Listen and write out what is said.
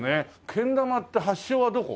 けん玉って発祥はどこ？